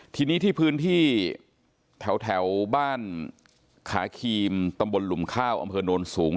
ทีนี้ที่พื้นที่แถวบ้านขาครีมตำบลหลุมข้าวอำเภอโนนสูง